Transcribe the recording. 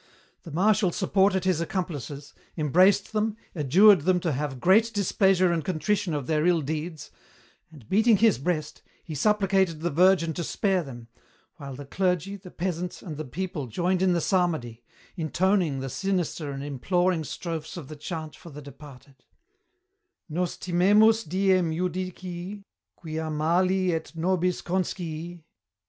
"The Marshal supported his accomplices, embraced them, adjured them to have 'great displeasure and contrition of their ill deeds' and, beating his breast, he supplicated the Virgin to spare them, while the clergy, the peasants, and the people joined in the psalmody, intoning the sinister and imploring strophes of the chant for the departed: "'Nos timemus diem judicii Quia mali et nobis conscii.